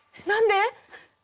何で？